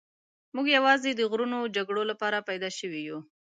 موږ یوازې د غرونو جګړو لپاره پیدا شوي یو.